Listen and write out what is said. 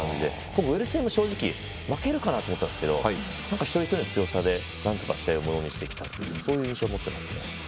ウェールズ戦も正直負けるかなと思ったんですけど一人一人の強さでなんとか試合をものにしてきた印象を持っています。